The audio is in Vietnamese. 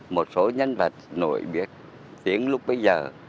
một số nhân vật nổi biệt đến lúc bây giờ